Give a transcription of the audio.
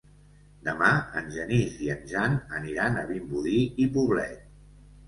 Demà en Genís i en Jan aniran a Vimbodí i Poblet.